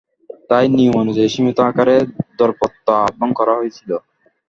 তাই নিয়মানুযায়ী সীমিত আকারে দরপত্র আহ্বান করা হয়েছিল।